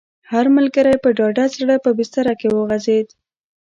هر ملګری په ډاډه زړه په بستره کې وغځېد.